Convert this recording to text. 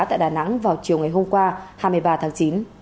tại đà nẵng vào chiều ngày hôm qua hai mươi ba tháng chín